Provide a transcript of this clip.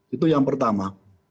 itu yang pertama